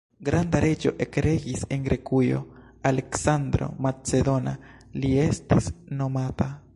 Granda reĝo ekregis en Grekujo; « Aleksandro Macedona » li estis nomata.